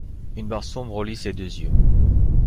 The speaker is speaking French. Une barre sombre relie ses deux yeux.